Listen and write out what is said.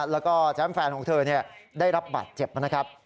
แล้วก็แชมพ์แฟนของเธอเนี่ยได้รับบาดเจ็บมานะครับ